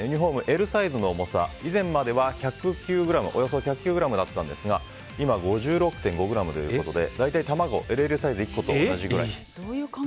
Ｌサイズの重さ、以前のものはおよそ１０９ｇだったんですが今５６．５ｇということで大体、卵ＬＬサイズと１個と同じくらいということで。